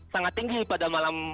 sangat tinggi pada malam